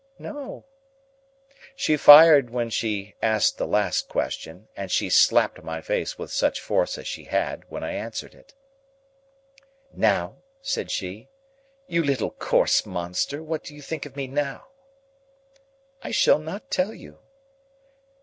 "No." She fired when she asked the last question, and she slapped my face with such force as she had, when I answered it. "Now?" said she. "You little coarse monster, what do you think of me now?" "I shall not tell you."